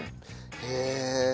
へえ。